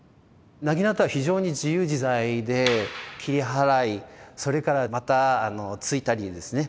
薙刀は非常に自由自在で切り払いそれからまたあの突いたりですね